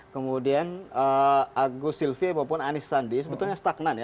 kemudian agus silvi maupun anis sandi sebetulnya stagnan ya